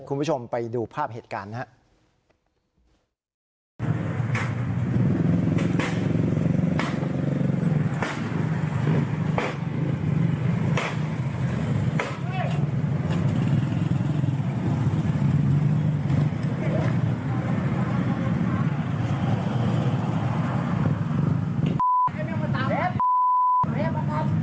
คุณผู้ชมไปดูภาพเหตุการณ์นะครับ